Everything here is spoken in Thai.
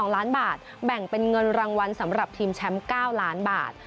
๒ล้านบาทแบ่งเป็นเงินรางวัลสำหรับทีมแชมป์๙ล้านบาท